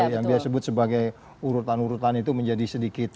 yang dia sebut sebagai urutan urutan itu menjadi sedikit